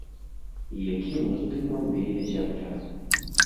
І якім уздымам вее зямля!